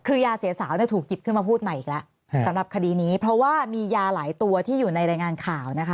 คือยาเสียสาวเนี่ยถูกหยิบขึ้นมาพูดใหม่อีกแล้วสำหรับคดีนี้เพราะว่ามียาหลายตัวที่อยู่ในรายงานข่าวนะคะ